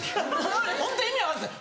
ホント意味分かんないんです